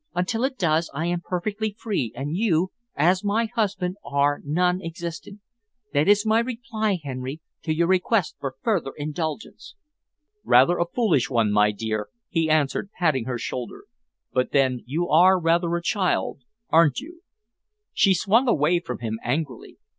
Until it does, I am perfectly free, and you, as my husband, are non existent. That is my reply, Henry, to your request for further indulgence." "Rather a foolish one, my dear," he answered, patting her shoulder, "but then you are rather a child, aren't you?" She swung away from him angrily.